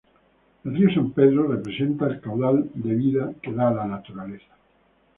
El río San Pedro representa el caudal de vida que da la naturaleza.